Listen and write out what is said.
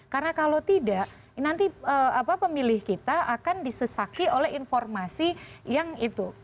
karena kalau tidak nanti pemilih kita akan disesaki oleh informasi yang itu